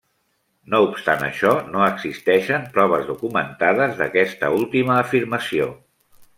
No obstant això, no existeixen proves documentades d'aquesta última afirmació.